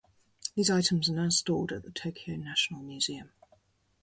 These items are now stored at the Tokyo National Museum.